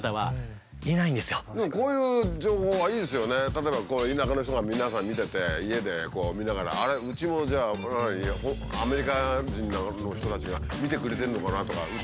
例えば田舎の人が皆さん見てて家でこう見ながらあれうちもじゃあアメリカ人の人たちが見てくれてるのかなとか